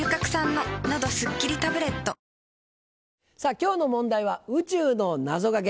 今日の問題は「宇宙の謎掛け」